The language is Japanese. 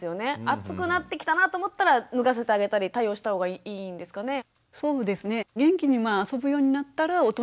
暑くなってきたなと思ったら脱がせてあげたり対応した方がいいんですかね。